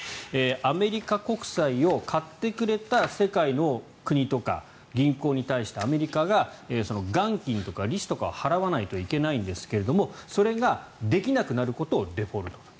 アメリカ国債を買ってくれた世界の国とか銀行に対してアメリカが元金とか利子とかを払わないといけないんですがそれができなくなることをデフォルトと。